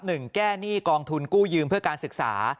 แก้หนี้กองทุนกู้ยืมเพื่อการศึกษา